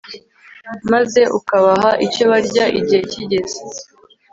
maze ukabaha icyo barya igihe kigeze